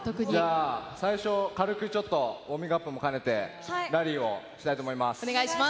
最初軽くちょっとウォーミングアップも兼ねてラリーをしたいと思います。